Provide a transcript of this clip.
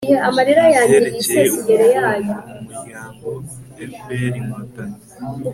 mu byerekeye ubukungu, umuryango fprinkotanyi